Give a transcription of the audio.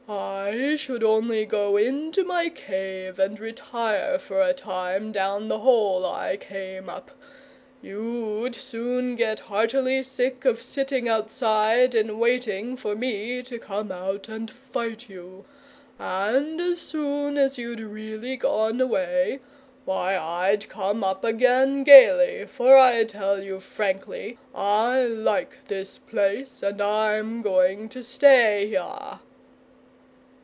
"I should only go into my cave and retire for a time down the hole I came up. You'd soon get heartily sick of sitting outside and waiting for me to come out and fight you. And as soon as you'd really gone away, why, I'd come up again gaily, for I tell you frankly, I like this place, and I'm going to stay here!"